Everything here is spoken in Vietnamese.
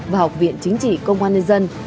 và học viện chính trị công an nhân dân